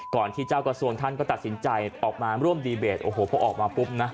ที่เจ้ากระทรวงท่านก็ตัดสินใจออกมาร่วมดีเบตโอ้โหพอออกมาปุ๊บนะ